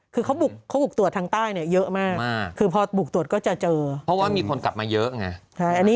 คือเขาบุกตรวจทางใต้เนี่ยเยอะมากคือพอบุกตรวจก็จะเจอเพราะว่ามีคนกลับมาเยอะไง